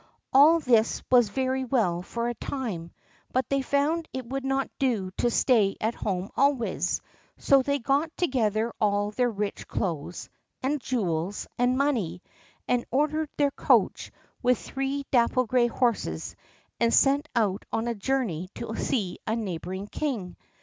All this was very well for a time, but they found it would not do to stay at home always; so they got together all their rich clothes, and jewels, and money, and ordered their coach with three dapple gray horses, and set out on a journey to see a neighboring king.